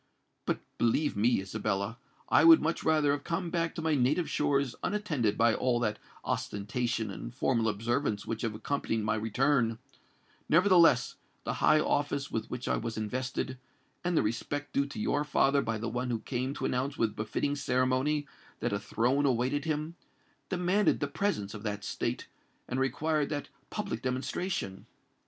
But, believe me, Isabella—I would much rather have come back to my native shores unattended by all that ostentation and formal observance which have accompanied my return: nevertheless, the high office with which I was invested, and the respect due to your father by the one who came to announce with befitting ceremony that a throne awaited him, demanded the presence of that state and required that public demonstration.